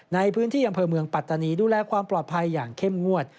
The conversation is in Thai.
ในพื้นที่อำเภอเมืองปัตตานีดูแลความปลอดภัยอย่างเข้มงวด